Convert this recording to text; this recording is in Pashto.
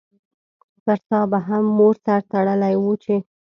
پرتا به هم مور سر تړلی وو چی